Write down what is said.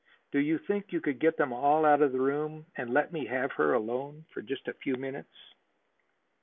Do you think you could get them all out of the room and let me have her alone for just a few minutes?"